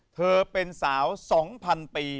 เธอเป็นสาว๒๐๐๐ปี